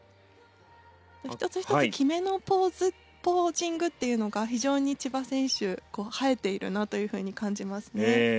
１つ１つ決めのポーズポージングっていうのが非常に千葉選手映えているなという風に感じますね。